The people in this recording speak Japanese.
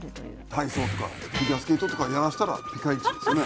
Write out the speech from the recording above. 体操とかフィギュアスケートとかやらせたらピカイチですよね。